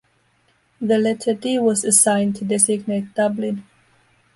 The letter "D" was assigned to designate Dublin.